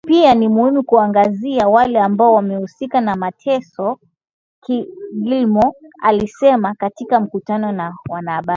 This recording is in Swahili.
pia ni muhimu kuwaangazia wale ambao wamehusika na mateso Gilmore alisema katika mkutano na wanahabari